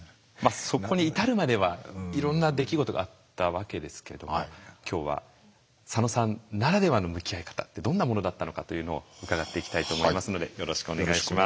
そこに至るまではいろんな出来事があったわけですけども今日は佐野さんならではの向き合い方ってどんなものだったのかというのを伺っていきたいと思いますのでよろしくお願いします。